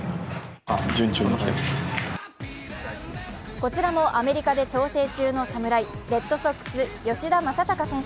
こちらもアメリカで調整中の侍、レッドソックス・吉田正尚選手。